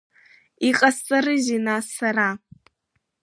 Иҟасҵарызеи нас сара?